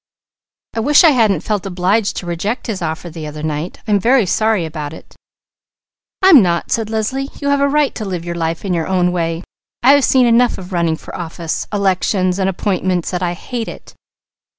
"I wish I hadn't felt obliged to reject his offer the other night. I'm very sorry about it." "I'm not," said Leslie. "You have a right to live your life in your own way. I have seen enough of running for office, elections and appointments that I hate it.